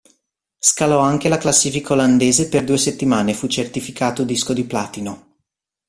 Scalò anche la classifica olandese per due settimane e fu certificato disco di platino.